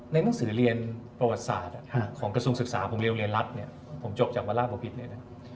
หนังสือเรียนประวัติศาสตร์ของกระทรวงศึกษาผมเรียนโรงเรียนรัฐเนี่ยผมจบจากวราบอพิษเลยนะ